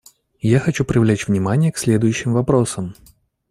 Я хочу привлечь внимание к следующим вопросам.